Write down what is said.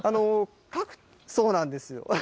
そうなんですよ。